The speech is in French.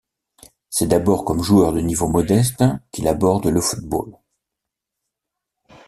C'est d'abord comme joueur de niveau modeste qu'il aborde le football.